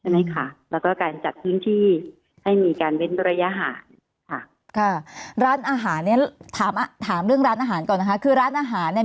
และการจัดพื้นที่ให้มีการเบ็ดประยะหาร